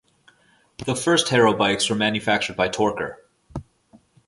The first Haro bikes were manufactured by Torker.